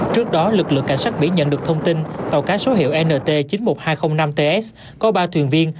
trước đó lực lượng cảnh sát biển nhận được thông tin tàu cá số hiệu nt chín mươi một nghìn hai trăm linh năm ts có ba thuyền viên